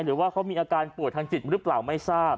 หรือว่าคุ้มคร่างเมายาหรือเปล่ายังไม่รู้ครับ